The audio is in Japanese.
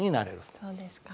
そうですか。